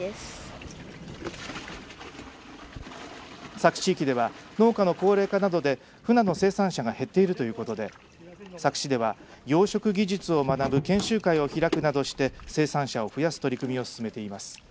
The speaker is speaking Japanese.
佐久地域では農家の高齢化などでふなの生産者が減っているということで佐久市では養殖技術を学ぶ研修会を開くなどして生産者を増やす取り組みを進めています。